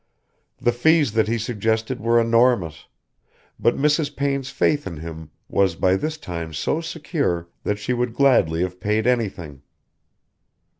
The fees that he suggested were enormous, but Mrs. Payne's faith in him was by this time so secure that she would gladly have paid anything.